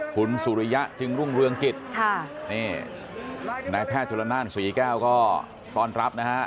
คุณสุริยะจึงรุ่งเรืองกิจค่ะนี่นายแพทย์ชนละนานศรีแก้วก็ต้อนรับนะฮะ